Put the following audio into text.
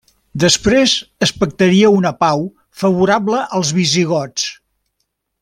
Després es pactaria una pau favorable als visigots.